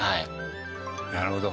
なるほど。